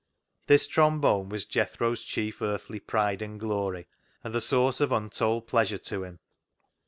This trombone was Jethro's chief earthly pride and glory, and the source of untold pleasure to him.